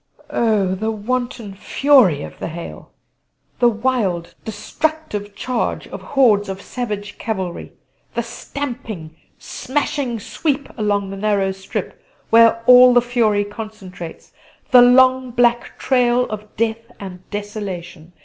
Oh! the wanton fury of the hail; the wild, destructive charge of hordes of savage cavalry; the stamping, smashing sweep along the narrow strip where all the fury concentrates; the long black trail of death and desolation!